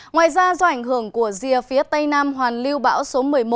ngoài ra do ảnh hưởng của rìa phía tây nam hoàn lưu bão số một mươi một